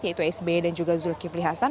yaitu sby dan juga zulkifli hasan